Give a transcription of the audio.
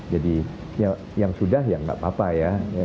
jadi yang sudah ya nggak apa apa ya